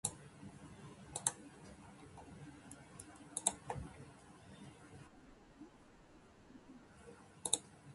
猫は本当にかわいい